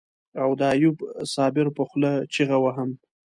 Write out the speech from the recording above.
او د ايوب صابر په خوله چيغه وهم.